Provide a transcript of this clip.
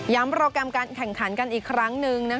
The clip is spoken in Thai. โปรแกรมการแข่งขันกันอีกครั้งหนึ่ง